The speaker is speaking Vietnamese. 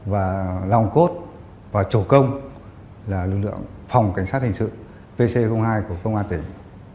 và lòng cốt và chủ công là lực lượng phòng cảnh sát hình sự pc hai của công an tỉnh